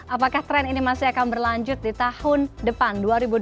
apakah tren ini masih akan berlanjut di tahun depan dua ribu dua puluh